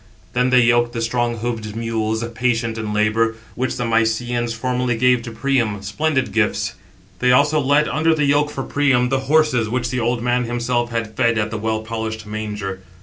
Then they yoked the strong hoofed mules, patient in labour, which the Mysians formerly gave to Priam, splendid gifts. They also led under the yoke for Priam, the horses, which the old man himself had fed at the well polished manger.